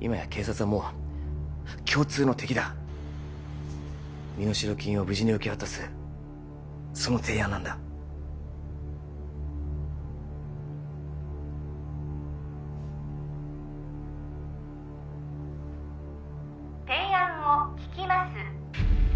今や警察はもう共通の敵だ身代金を無事に受け渡すその提案なんだ提案を聞きます